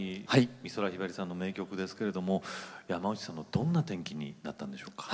美空ひばりさんの名曲ですけれども山内さんのどんな転機になったんですか？